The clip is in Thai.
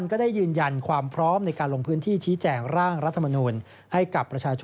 กตบอกไว้ดังนั้นสิ่งที่ไม่แน่ใจก็ไม่ควรทำ